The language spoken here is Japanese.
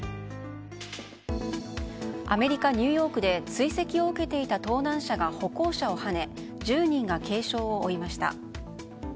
アメリカ・ニューヨークで追跡を受けていた盗難車が歩行者をはね１０人が軽傷を負いました。